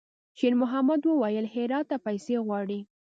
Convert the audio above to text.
شېرمحمد وويل: «هرات ته پیسې غواړي.»